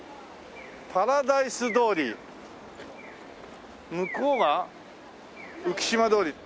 「パラダイス通り」向こうが浮島通り。